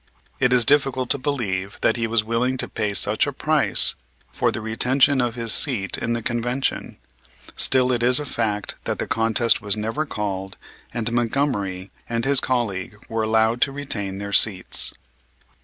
It is difficult to believe that he was willing to pay such a price for the retention of his seat in the Convention, still it is a fact that the contest was never called and Montgomery and his colleague were allowed to retain their seats.